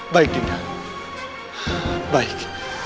baik dinda baik